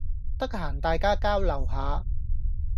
得閒大家交流下